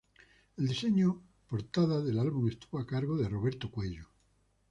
El diseño portada del álbum estuvo a cargo de Roberto Cuello.